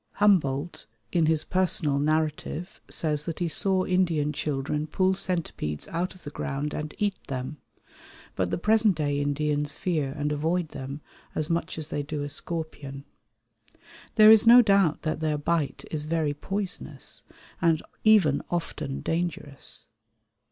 Humboldt, in his Personal Narrative, says that he saw Indian children pull centipedes out of the ground and eat them; but the present day Indians fear and avoid them as much as they do a scorpion. There is no doubt that their bite is very poisonous, and even often dangerous.